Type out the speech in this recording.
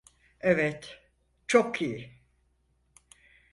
Evet, çok iyi.